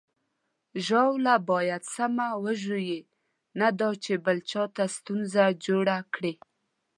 ژاوله باید سمه ولویږي، نه دا چې بل چاته ستونزه جوړه کړي.